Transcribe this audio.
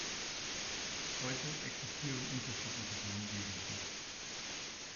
Heute existieren unterschiedliche Wohngegenden.